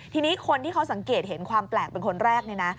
ทีนี้คนที่เขาสังเกตเห็นความแปลกเป็นคนแรก